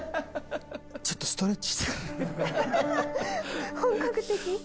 ちょっとストレッチしてから。